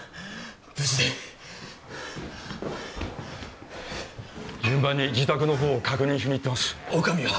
無事で順番に自宅のほうを確認してますお上は？